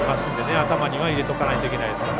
頭には入れておかないといけないですよね。